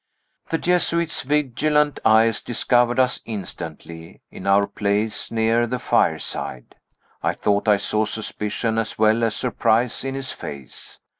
The Jesuit's vigilant eyes discovered us instantly, in our place near the fireside. I thought I saw suspicion as well as surprise in his face.